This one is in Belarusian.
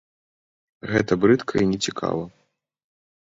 Гэта брыдка і нецікава.